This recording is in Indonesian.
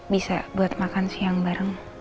bisa buat makan siang bareng